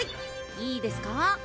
いいですか？